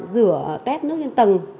rửa tét nước trên tầng